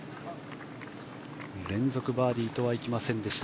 連続バーディーとはいきませんでした。